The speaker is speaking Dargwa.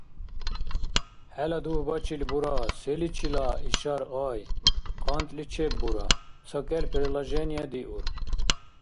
ХӀела дугьбачил бура селичила ишар гъай? КъантӀли чеббура, ца-кӀел предложение диур